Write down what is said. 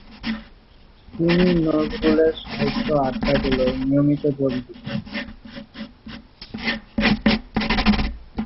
তিনি নজরুলের সাহিত্য আড্ডাগুলোয় নিয়মিত যোগ দিতেন।